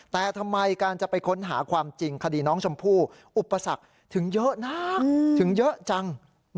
แต่ทำไมการจะไปค้นหาความจริงคดีน้องชมพู่อุปสรรคถึงเยอะนะถึงเยอะจัง